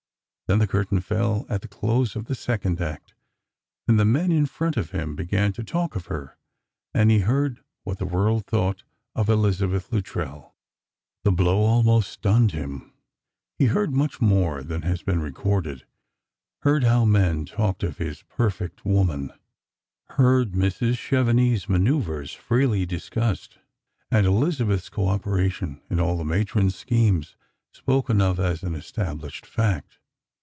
Then the curtain fell at the close of the second act, and the men in front of him began to talk of her, and he heard what the world thought of Elizabeth Luttrell The blow almost stunned him. He heard much more than has been recorded : heard how men talked of his perfect woman; heard Mrs. Chevenix's manoeuvres freely discussed, and EUza beth's co operation in all the matron's schemes spoken of as an established fact.